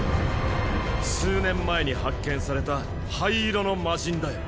数年前に発見された灰色の魔神だよ。